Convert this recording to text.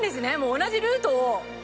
同じルートを。